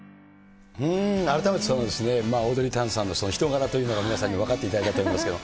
改めてオードリー・タンさんの人柄というのが皆さんに分かっていただけたと思いますけど。